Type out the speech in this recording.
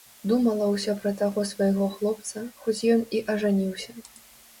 Думала ўсё пра таго свайго хлопца, хоць ён і ажаніўся.